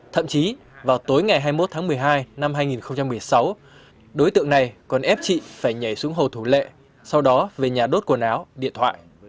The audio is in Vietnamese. thậm chí vào tối ngày hai mươi một tháng một mươi hai năm hai nghìn một mươi sáu đối tượng này còn ép chị phải nhảy xuống hồ thổ lệ sau đó về nhà đốt quần áo điện thoại